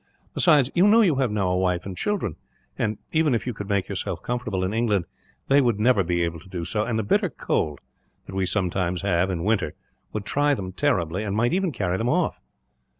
Besides, you know you have now a wife and children and, even if you could make yourself comfortable in England, they would never be able to do so; and the bitter cold that we sometimes have, in winter, would try them terribly, and might even carry them all off."